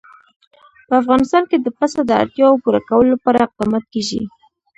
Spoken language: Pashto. په افغانستان کې د پسه د اړتیاوو پوره کولو لپاره اقدامات کېږي.